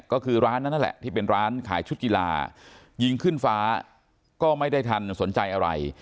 ก็คือร้านนั้นนั่นแหละที่เป็นร้านขายชุดกีฬายิงขึ้นฟ้าก็ไม่ได้ทันสนใจอะไร